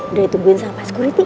udah ditungguin sama pas kuriti